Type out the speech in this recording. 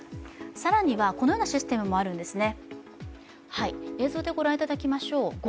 更にはこのようなシステムもあるんですね。